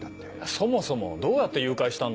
そもそもどうやって誘拐したんだよ？